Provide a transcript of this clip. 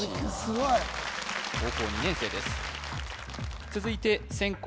すごい高校２年生です続いて先攻